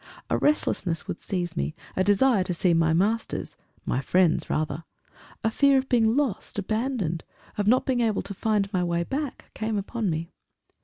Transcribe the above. A restlessness would seize me, a desire to see my Masters my Friends, rather!... A fear of being lost, abandoned of not being able to find my way back came upon me.